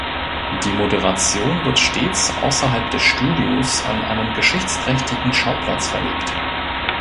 Die Moderation wird stets außerhalb des Studios an einen geschichtsträchtigen Schauplatz verlegt.